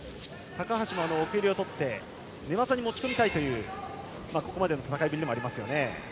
高橋も奥襟を取って寝技に持ち込みたいというここまでの戦いぶりでもあります。